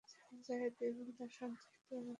যায়েদ ও তার সঙ্গীদের অবস্থা হল অন্যরূপ।